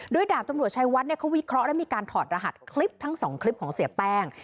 โดยดาบตำรวจชัยวัดเขาวิเคราะห์และมีการถอดรหัสคลิปทั้งสองคลิปของเสียแป้ง